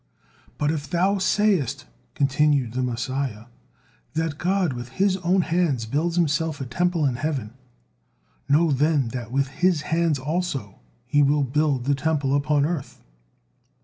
But if thou sayest," continued the Messiah, "that God with His own hands builds Himself a Temple in heaven, know then that with His hands also He will build the Temple upon earth."